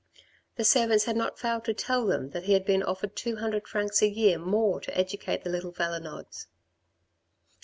The servants had not failed to tell them that he had been offered two hundred francs a year more to educate the little Valenods.